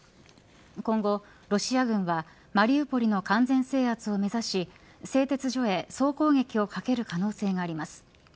今後ロシア軍はマリウポリの完全制圧を目指し製鉄所へ総攻撃をかける可能性があります。